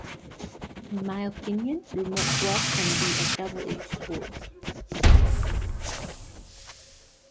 In my opinion, remote work can be a double-edged sword.